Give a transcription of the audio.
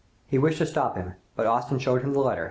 He wished to stop him, but Austin showed him the letter!...